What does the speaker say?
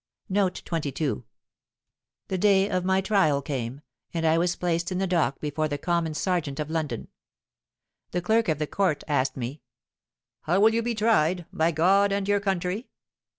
' "The day of my trial came; and I was placed in the dock before the Common Serjeant of London. The clerk of the Court asked me, '_How will you be tried—by God and your country?